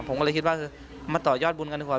ผมก็เลยคิดว่ามาต่อยอดบุญกันดีกว่า